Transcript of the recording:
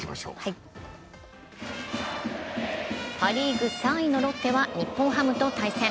パリーグ３位のロッテは日本ハムと対戦。